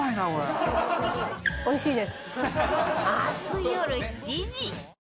おいしいです。